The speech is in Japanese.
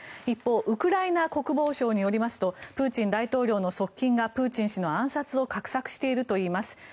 一方ウクライナ国防省によりますとプーチン大統領の側近がプーチン氏の暗殺を画策しているといいます。